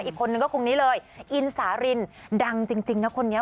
อีกคนนึงก็คงนี้เลยอินสารินดังจริงนะคนนี้